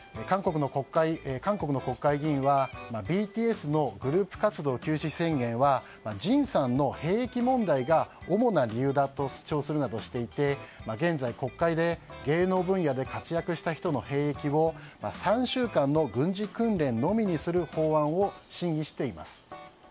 韓国の国会議員はＢＴＳのグループ活動休止宣言はＪＩＮさんの兵役問題が主な理由だと主張するなどしていて現在、国会で芸能分野で活躍した人の兵役を３週間の軍事訓練のみにする法案を審議しています。